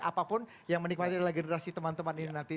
apapun yang menikmati adalah generasi teman teman ini nanti